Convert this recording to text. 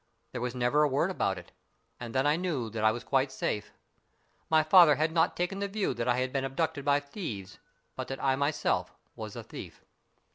There was never a word about it, and then I knew that I was quite safe. My father had not taken the view that I had been abducted by thieves, but that I myself was a thief.